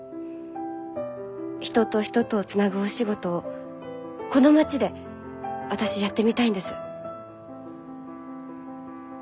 人と人とをつなぐお仕事をこの町で私やってみたいんです。